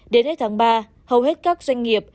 đến hết tháng ba hầu hết các doanh nghiệp